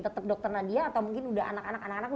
tetep dokter nadia atau mungkin udah anak anak anak udah bangun